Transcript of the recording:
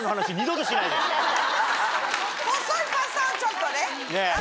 細いパスタはちょっとね。